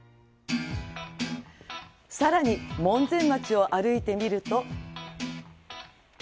さらに門前町を歩いてみると。